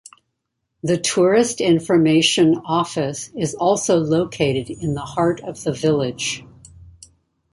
The Tourist Information Office is also located in the heart of the village.